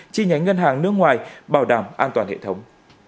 chi nhánh ngân hàng nước ngoài bảo đảm an toàn hệ thống